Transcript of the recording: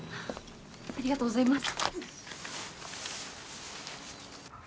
ありがとうございます。